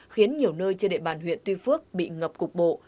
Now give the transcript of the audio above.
khiến nhiều nơi trên địa bàn huyện tuy phước bị ngập cục bộ